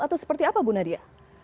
atau seperti apa bu nadia